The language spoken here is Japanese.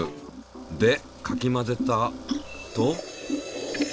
でかき混ぜたと。